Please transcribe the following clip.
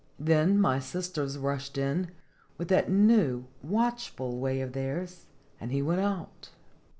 Then my sisters rushed in, with that new, watchful way of theirs, and he went out.